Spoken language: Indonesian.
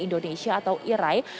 indonesia atau irai